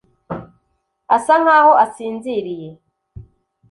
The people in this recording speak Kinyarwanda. asa nkaho asinziriye.